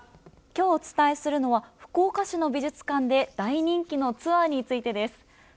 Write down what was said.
きょうお伝えするのは福岡市の美術館で大人気のツアーについてです。